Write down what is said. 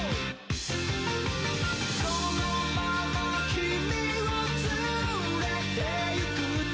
「このまま君を連れて行くと」